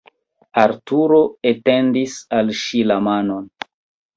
Arturo etendis al ŝi la manon.